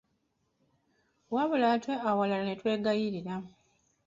Wabula ate awalala ne twegayirira.